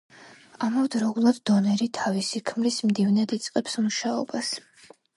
ამავდროულად, დონერი თავისი ქმრის მდივნად იწყებს მუშაობას.